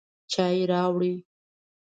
چای راوړئ